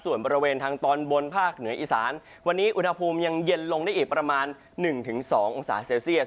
ส่วนบริเวณทางตอนบนภาคเหนืออีสานวันนี้อุณหภูมิยังเย็นลงได้อีกประมาณ๑๒องศาเซลเซียส